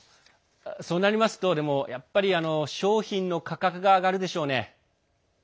そうなりますとやっぱり商品の価格が上がるでしょうね。